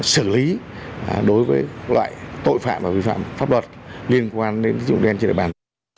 xử lý đối với loại tội phạm và vi phạm pháp luật liên quan đến dụng đen trên địa bàn